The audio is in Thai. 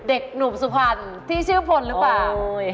เด็กหนุ่มสุพรรณที่ชื่อพลหรือเปล่า